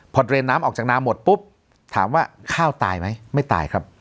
พอเรียนน้ำออกจากน้ำหมดปุ๊บถามว่าข้าวตายไหมไม่ตายครับ